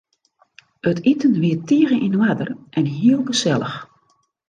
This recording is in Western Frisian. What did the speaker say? It iten wie tige yn oarder en hiel gesellich.